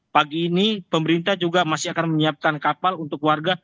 pagi ini pemerintah juga masih akan menyiapkan kapal untuk warga